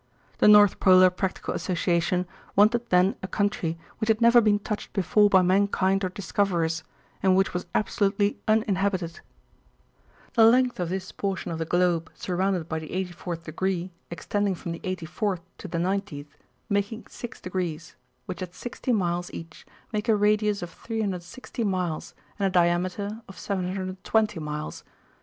The North Polar Practical Association wanted then a country which had never been touched before by mankind or discoverers, and which was absolutely uninhabited. The length of this portion of the globe surrounded by the 84th degree, extending from the 84th to the 90th, making six degrees, which at sixty miles each make a radius of 360 miles and a diameter of 720 miles.